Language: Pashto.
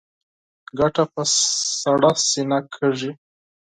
ګټه په سړه سینه کېږي.